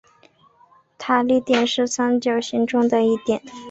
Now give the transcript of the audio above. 塔里点是三角形中的一点。